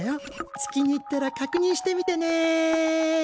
月に行ったらかくにんしてみてね。